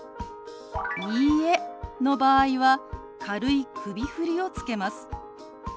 「いいえ」の場合は軽い首振りをつけます。